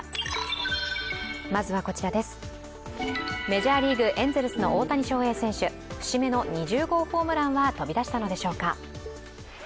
メジャーリーグ・エンゼルスの大谷翔平選手、節目の２０号ホームランは飛び出したのでしょうか。